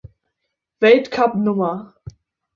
Weltcup Nr.